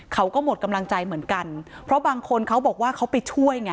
เขาก็หมดกำลังใจเหมือนกันเพราะบางคนเขาบอกว่าเขาไปช่วยไง